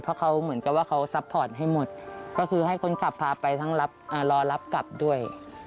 เพราะเขาเหมือนกับว่าเขาซัพพอร์ตให้หมดก็คือให้คนขับพาไปทั้งรอรับกลับด้วย